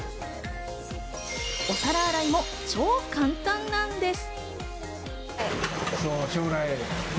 お皿洗いも超簡単なんです。